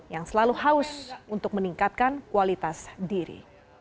yang selalu haus untuk meningkatkan kualitas diri